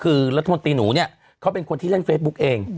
คือรัฐมนตรีหนูเนี่ยเขาเป็นคนที่เล่นเฟซบุ๊กเอง